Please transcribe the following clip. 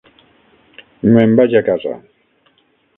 Me'n vaig a casa!